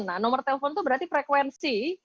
nah nomor telepon itu berarti frekuensi